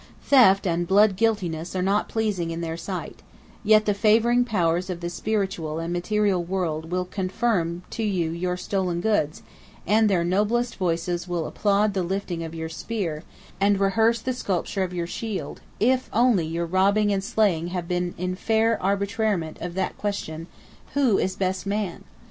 "Theft and blood guiltiness are not pleasing in their sight; yet the favoring powers of the spiritual and material world will confirm to you your stolen goods, and their noblest voices applaud the lifting of Your spear, and rehearse the sculpture of your shield, if only your robbing and slaying have been in fair arbitrament of that question, 'Who is best man?'